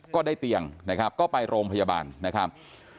ก็ได้เตียงนะครับก็ไปโรงพยาบาลนะครับ